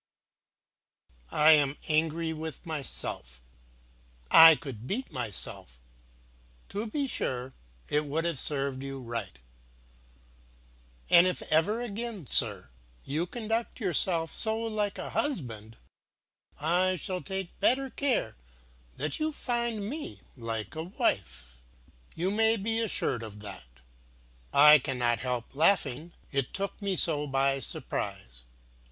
"I am angry with myself. I could beat myself! To be sure, it would have served you right. And if ever again, sir, you conduct yourself so like a husband, I shall take better care that you find me like a wife. You may be assured of that. I cannot help laughing, it took me so by surprise.